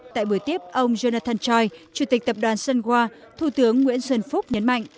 tại buổi tiếp ông jonathan choi chủ tịch tập đoàn sunwa thủ tướng nguyễn xuân phúc nhấn mạnh